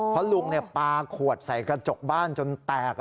เพราะลุงปลาขวดใส่กระจกบ้านจนแตก